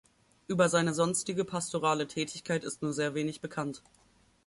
Über seine sonstige pastorale Tätigkeit ist nur sehr wenig bekannt.